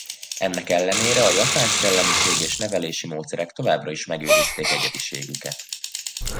Ennek ellenére a Japán szellemiség és nevelési módszerek továbbra is megőrizték egyediségüket.